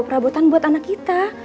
perabotan buat anak kita